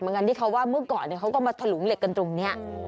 กันที่เขาว่าเมื่อก่อนเขาก็มาถลุงเหล็กกันตรงนี้